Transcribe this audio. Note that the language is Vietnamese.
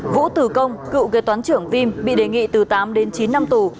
vũ tử công cựu gây toán trưởng vim bị đề nghị từ tám chín năm tù